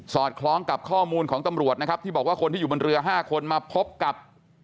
อดคล้องกับข้อมูลของตำรวจนะครับที่บอกว่าคนที่อยู่บนเรือ๕คนมาพบกับ